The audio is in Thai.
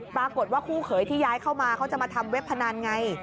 ปรากฏว่าคู่เขยที่ย้ายเข้ามาเค้าจะมาทำเว็บพนันไง